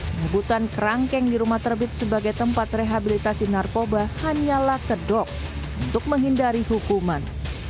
menyebutan kerangkeng di rumah terbit sebagai tempat rehabilitasi narkoba hanyalah kedok untuk menghindari hukuman